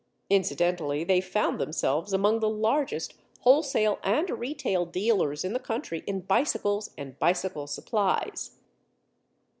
Incidentally, they found themselves among the largest wholesale and retail dealers in the country in bicycles and bicycle supplies.